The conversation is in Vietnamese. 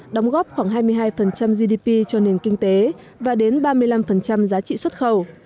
đóng góp khoảng hai mươi hai gdp cho nền kinh tế và đến ba mươi năm giá trị xuất khẩu